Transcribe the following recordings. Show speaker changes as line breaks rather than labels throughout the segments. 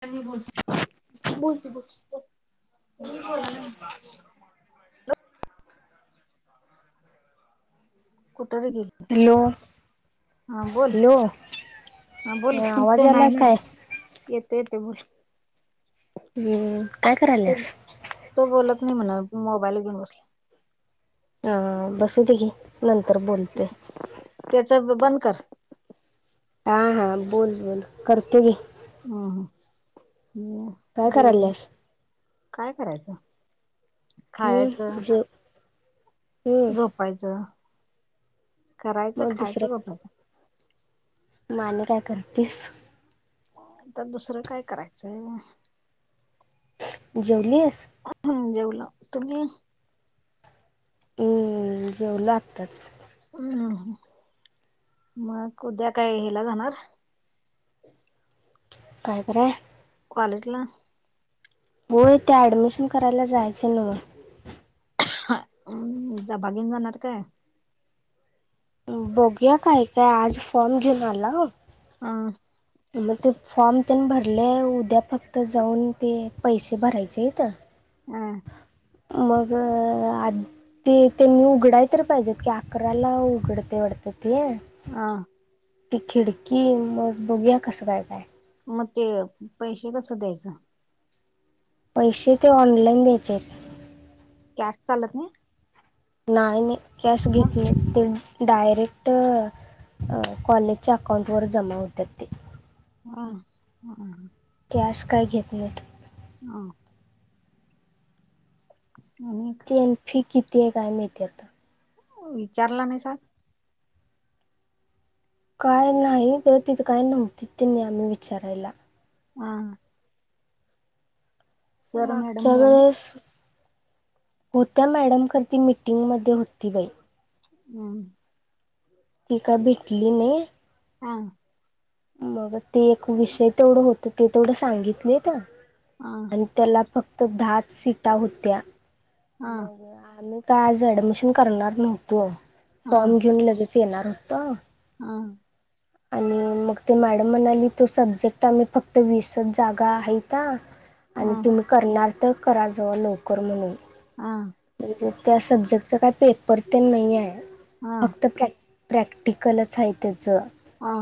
त्यानी बोल..
तुम्ही बोला ना.... कुठं गेली होतीस?
हॅलो
हा बोल...
हॅलो
हा बोलत
आवाज यायलाय
नाही
काय?
येत ते ते बोल
हं काय
तो
करायलीस?
तो बोलत नाही म्हणा मोबाईल घेऊन बसले..
हं बसू दे घे नंतर बोलते...
त्याच बंद कर...
हा हा बोल बोल करते घे...
हम्म, हम्म.
काय
जेवण
करालयास...
काय करायचं खायचं...
हम्म जेव हम्म
झोपायचं... करायचं खायचं
दुसरं
झोपायचं..
मग आणि काय करतेस...
आता दुसरं काय करायचं...
जेवलीस..
जेवलो तुम्ही..
हम्म जेवलो आत्ताच..
हम्म. मग उद्या काय हिला जाणार
काय कराय..
पालटला..
हो ते ऍडमिशन करायला जायचें हाय नव...
म् डब्बा घेऊन जाणार काय?
बघया काय काय आज फोन घेऊन आला..
हा...
मग ते फॉर्म त्यान भरले उद्या फक्त जाऊन ते पैसे भरायचे आहेतत...
ह...
मग आ ते त्यांनी उघडाय तर पाहिजेत की अकराला उघडते वाढतं...
अं.
ती खिडकी मग बघूया कसं काय काय..
मग ते पैसे कस द्यायचं...
पैसे ते ऑनलाइन द्यायचे आहेत
कॅश चालत नाही...
नाही नाही कॅश घेत नाही त्यांनी... डायरेक्ट कॉलेजच्या अकाऊंटवर जमा होतात ते...
हा हम...
कॅश काय घेत नाहीत...
हो... अनेक...
तेन फी किती आहे काय काय म्हणत्यात...
विचारला नाहीसा
काय नाही तर तिथं काय नव्हती त त्यांनी आम्ही विचारायला
हा सर मॅडम
मागच्या
यांनी
वेळेस होत्या मॅडम करती मिटिंग मध्ये होती बाई
हन
ती का भेटली नाही
हा
मग ते एक विषय तेवढं होत ते तेवढं सांगितलीत
हा
आणि त्याला फक्त दहाच सीटा होत्या
हा
मग आम्ही का आज ॲडमिशन करणार नव्हतो
हा
फॉर्म घेऊन लगेच येणार होतं
हा
आणि मग ते मॅडम म्हणाली तो सब्जेक्ट आम्ही फक्त वीसच जागा आहे का आणि
हा
तुम्ही करणार तर करा जवळ लवकर म्हणून
आ
म्हणजे त्या सब्जेक्टचं काही पेपर ते नाही आहे
हा
फक्त प्रॅक्टिस प्रॅक्टिकलच आहे त्याचं
हा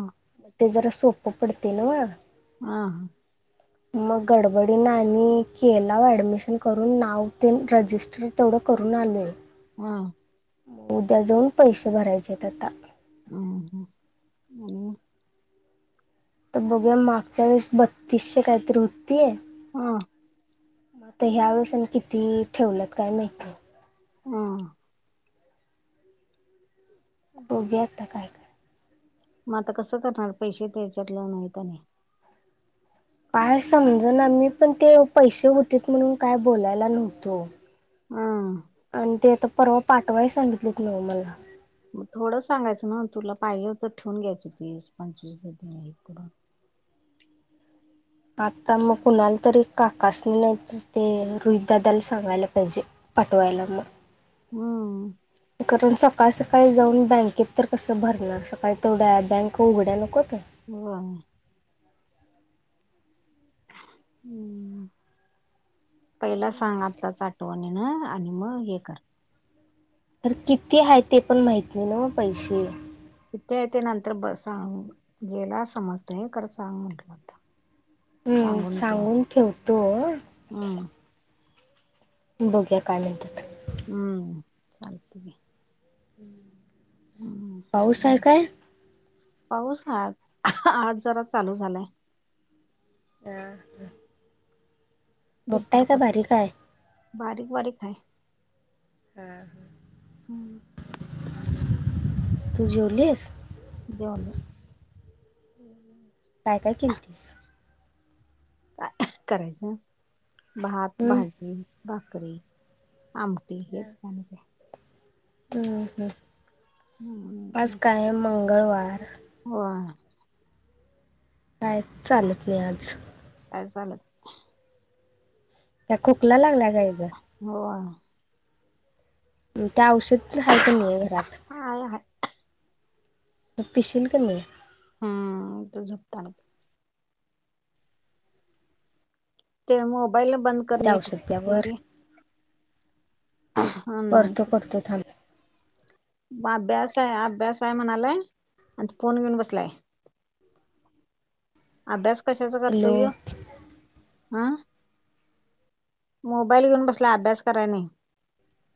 ते जरा सोप पडते ना वा
हह हा
मग गडबडी केला ऍडमिशनकरून नाव रजिस्टर करून आलोय
हा
उद्या जाऊन पैसे भरायचे आता
हम् ह ह
तर बघू मागच्या वेळेस बत्तीसशे काहीतरी होतीय
हम
मगता ह्या वेळेसून किती ठेवलत काय माहिती
हा
बघेत टाकय का
मग आता कसं करणार पैसे त्याच्यातलं नाहीतने
काय समज ना मी पण ते पैसे होते म्हणून काय बोलायला नव्हतो
ह
[unintelligible] आणि ते आता परवा पाठवाय सांगितलेत न मला
मग थोडं सांगायचं ना तुला पाहिजे हो तर ठेवून घ्यायच होतीस पंचवीस ह इकडून
आता मग कुणाला तरी काकास नाही नाही ते रोहितदादाला सांगायला पाहिजे पटवायलाम
हा
सकाळ सकाळी जाऊन बँकेत तर कसं भरणार सकाळी तेवढ्या बँक उघड्या नको तर
ह [unintelligible] पहिला सांग आता फोन हे ना ना आणि मग हे कर
तर किती आहे ते पण माहत नाही ना म पैसे
इ्यायथ नंतर ब सांग गेला समजतो हे कर सांग म्हटल होता
हम्म सांगून ठेवतो
हम्म
बघया काय म्हणतात
हम्म चालते हम्म
[unintelligible] पाऊस आहे काय
पाऊस ह आज जरा चालू झालाय
अ मोटा आहे, काय बारी
दुपारपासून
हाय?
बारीक बारीक हाय.
[unintelligible] तू जेवलीस.
जेवलो.
काय काय केलतीस?
[unintelligible] करायचं भात,
हम्म
भाजी, भाकरी आमटी हेच का?
हम्म! ह आज
हम्म
काय, हाय मंगळवार?
होय
काय चालत नाही, आज?
काय चालत?
काय खोकला लागलाय?
हो.
त्या औषध आहे, का नाही आहे घरात.
हाय हाय
[unintelligible] पिसील किनई.
हम्म! झोपताना. ते मोबाईल बंद करं
त्या
नेट
औषध त्यावर
[unintelligible]
करतो करतो थांब.
मग अभ्यास आहे, अभ्यास आहे म्हणालाय, आणि फोन घेऊन बसलाय- अभ्यास कशाचा
हॅलो
करतोय, ह्यो. हं मोबाईल घेऊन बसलाय. अभ्यास कराय नाही.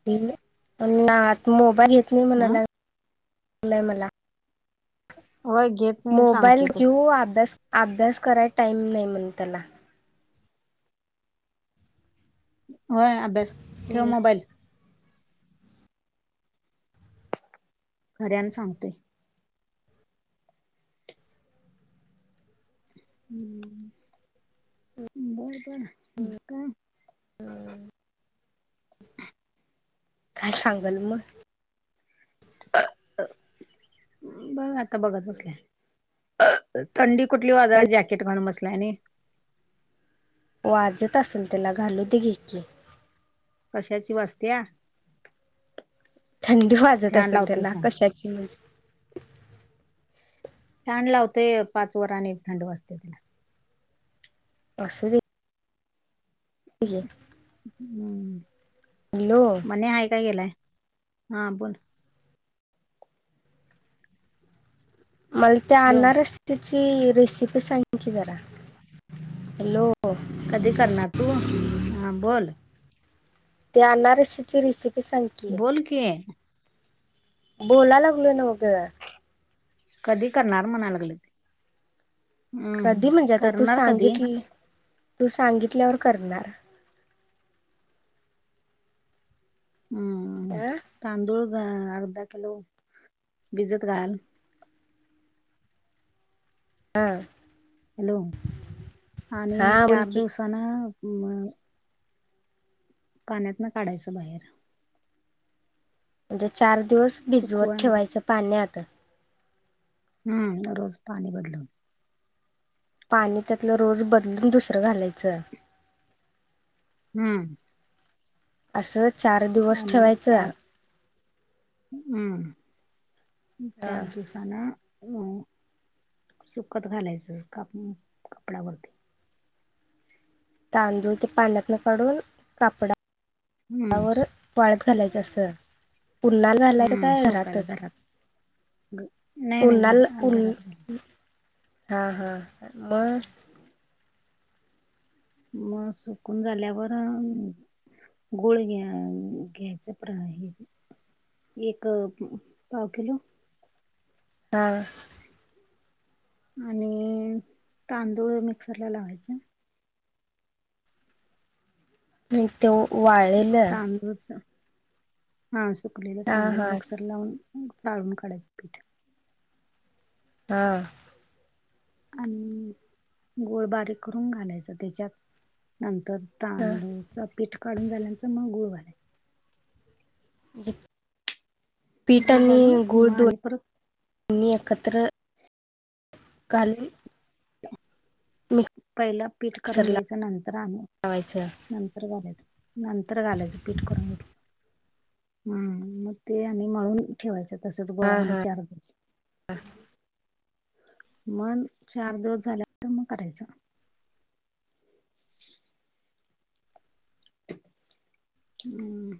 [unintelligible] ना आता मोबाईल घेत नाही [unintelligible] म्हणाय
हा
लागलाय मला
[inaudible] नाही
मोबाईल
सांगतोय तस
घेऊ अभ्यास कराय टाईम नाही म्हणे, त्याला
होय, अभ्यास ठेव मोबाईल खऱ्यान सांगतोय. हम्म! बरं [unintelligible] [unintelligible]
काय सांगल मग?
बघं आता बघत बसल्या थंडी कुठली वाजाल्या
मला
जॅकेट घालून बसलाय, आणि.
वाजत असल त्याला, घालु दे घे कि.
कशाची वाजत्या?
थंडी वाजत
फॅन
असेल,
लावतोय
त्याला
सांग
कशाची म्हणजे
फॅन लावतोय, पाच वर आणि थंडी वाचते त्याला
असु दे [unintelligible] हॅलो
मन्या आहे काय गेलाय? हा बोल.
मला ते
हॅलो
आणणारच [unintelligible] ती रेसिपी सांग, कि जरा हॅलो!
कधी करणार तु? हा बोल.
ते अनारशीची रेसिपी सांग
बोल की.
बोलाय लागलोय, नव्हं गं.
कधी करणार म्हणा लागले.
कधी
हम्म
म्हणजे? आता तु
करणार कधी
सांगितली तु सांगितल्यावर करणार.
हम्म!
अ
तांदूळ घा अर्धा किलो भिजत घाल
हा.
हॅलो! आणि
हा बोल
चार
की
दिवसान पाण्यात ना काढायचं बाहेर.
म्हणजे चार दिवस भिजवत
सुकवा
ठेवायचं पाण्यात
हम्म रोज पाणी बदलून
पाणी त्यातलं रोज बदलुन दुसरं घालायचं
हम्म.
असं चार दिवस ठेवायचं
हम् चार
ह
दिवसान अ सुकत घालायचं, कपडावरती
तांदूळ ते पाण्यातन न काढून कापडा
हम्म
त्यावर वाळत घालायचं असं पुन्हा घालाय
हम्म
काय
सोकायला
घरातच
घरात
[unintelligible]
ग- नाही नाही
उन्हाल
घरा
ऊन
घरात घाल
हा हा मग
मग सुकून झाल्यावर गुळ घ्या घ्यायचं प्र आहे एक पाव किलो
हा-
आणि तांदुळ मिक्सर ला लावायचा
मी त्यो
तांदूळच, हां सुकलेलं
हा
तांदूळ
हा
मिक्सर लावून. मग चाळून काडायचं पीठ.
ता. [unintelligible]
आनी गोळं बारीक करून घालायच, त्याच्यात नंतर. तांदूळच पीठ काढून झाल्यानंतर मग गुळ घाल.
[inaudible] पीठ
गुळ घालून
आणि
म आणि परत
कतर कालवून [unintelligible]
पैला पीठ करून
मिक्सरला
घ्यायचं नंतर आनी
लावायचं
नंतर घालायचं. नंतर घालायचं पीठ करून घेटल्यावर हम् मग ते आणि मळून ठेवायचं. तसंच गोळा
हा
आणि
हा
चार दिवस मग चार दिवस झाल्यानंतर मग करायचं. [inaudible] हम्म.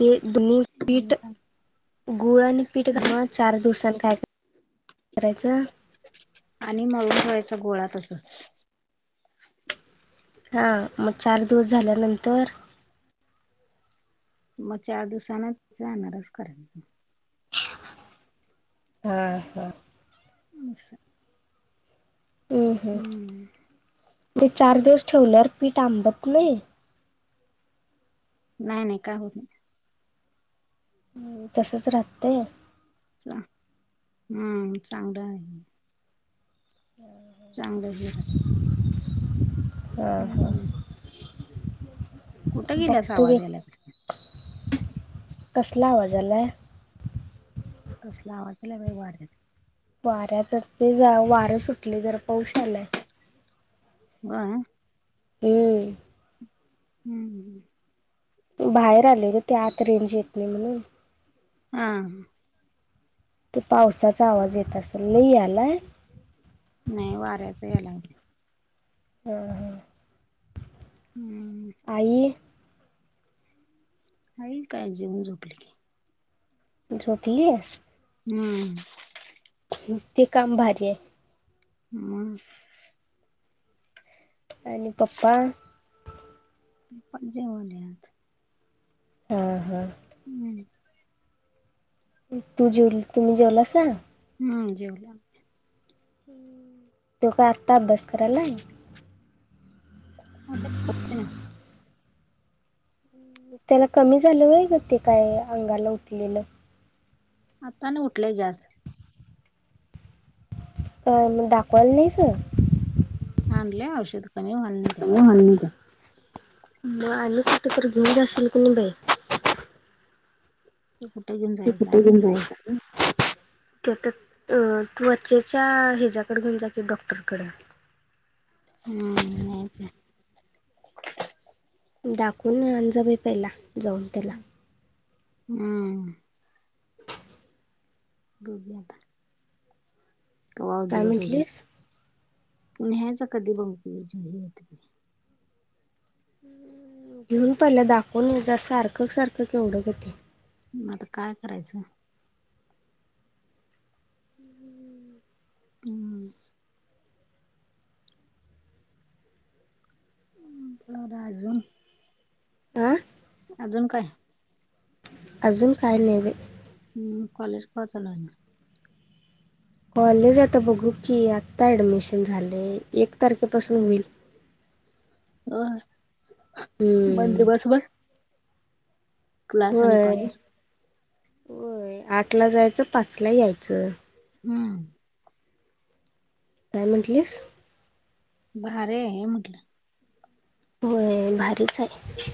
ते दोन्ही
आणि काय?
पीटं गुळ आणि पीठ
मग
घालूनच, चार दिवसांनी खाय करायचं.
आणि मळून ठेवायचा गोळा तसंच.
हां, मग चार दिवस झाल्यानंतर.
मग चार दिवसांन त्याचा अनारस करायचं.
हां हां.
अंस्. हम्म.
ते चार दिवस ठेवल्यावर पीठ आंबत नइ?
नाय, नाय, काय होत नाय.
हं तसंच राहत्तय?
चा हम्म चांगलं हाय. चांगलं हे राहतय.
हा हा
हम्म्म. कुटं गेल्यास
बघतो घे
आवाज यालाच?
कसला आवाज आलाय?
तसला आवाज लई बई वाडत्यात. [unintelligible]
वाऱ्याच ते जा वारं सुटलय, जरा पाऊशयालाय.
वंय?
अम्म्.
हंहंहं.
भायेर आलेग ते आत रेंज येत नई म्हणून.
आं.
ते पावसाचा आवाज येत असल लई यालाय?
नई वाऱ्याचा यालागलाय.
हं हं
हम्म
आई?
आई काय जेवून झोपली की.
झोपली?
हम्म्.
ते काम भारीआय.
म.
आणि पप्पा?
पप्पा जेवाल्यात.
हां हां.
हम्म्.
तू जेवल तुम्ही जेवलासा?
हम्म जेवलो.
तो काय आता करायलाई?
[unintelligible]
त्याला कमी झालं व ग ते काय अंगाला उठलेलं?
आता न उठलेय जास्त.
का म दाखवायला नाहीस?
आणले औषध. कमी व्हायला नाही ते
हो ह का मग आल कुठ तर घेऊन जाशील की नाही बाई?
ते कुठे घेऊन
[unintelligible] ते
जायचं आणि
तर तुवचेच्या हिच्या्याकड घेऊन जा के डॉक्टरकड.
हम्म नेह्याच.
दाखवून आणजबा पहिला जाऊन त्याला.
हम्म बघयाता कवा
काय
दिवस
म्हटलीस
उजेडतोई. पुन ह्याच कधी बघ तुम
घेऊन पहिला दाखवून जा सारखं सारखं केवढं ग ते
आता काय करायचं? हम्म म राजू?
आह
अजून काय?
अजून काय ने्हे?
म कॉलेज कवा चालू?
कॉलेज आता बघू की आत्ता ऍडमिशन झाले एक तारखेपासून होईल. [inaudible]
अ बंदे
हम्म
बस बर क्लास आणि आणि
होय
कॉलेज.
होय आठला जायचं पाच ला यायचं.
हम्म
काय म्हटलिस?
भारी ये हे म्हटलं.
व्हय भारीच हाय.